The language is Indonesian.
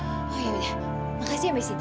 oh ya udah makasih ya mbak siti